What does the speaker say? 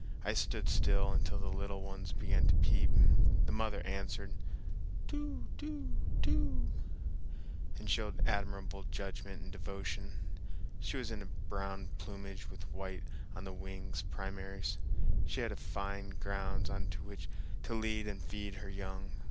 I stood still until the little ones began to peep; the mother answered "Too too too" and showed admirable judgment and devotion. She was in brown plumage with white on the wing primaries. She had fine grounds on which to lead and feed her young.